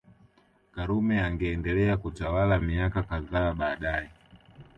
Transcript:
Karume angeendelea kutawala miaka kadhaa baadae